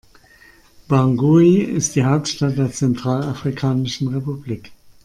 Bangui ist die Hauptstadt der Zentralafrikanischen Republik.